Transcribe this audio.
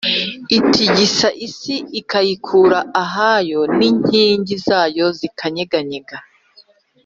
itigisa isi ikayikura ahayo, n’inkingi zayo zikanyeganyega